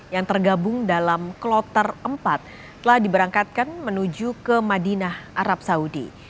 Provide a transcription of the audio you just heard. yang tergabung dalam kloter empat telah diberangkatkan menuju ke madinah arab saudi